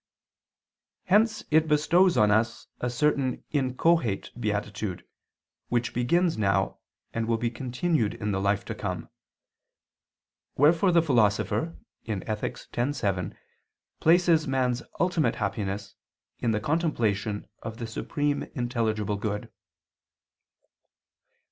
Hence it bestows on us a certain inchoate beatitude, which begins now and will be continued in the life to come; wherefore the Philosopher (Ethic. x, 7) places man's ultimate happiness in the contemplation of the supreme intelligible good.